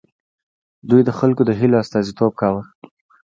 دوی د خلکو د هیلو استازیتوب کاوه.